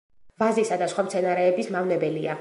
ვაზის და სხვა მცენარეების მავნებელია.